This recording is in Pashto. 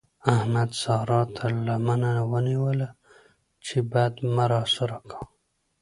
احمد سارا تر لمنه ونيوله چې بد مه راسره کوه.